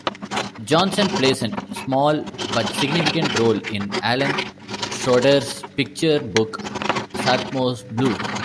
Johnson plays a small, but significant, role in Alan Schroeder's picture book "Satchmo's Blues".